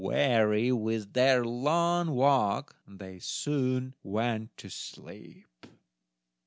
Weary with their long walk, they soon went to sleep.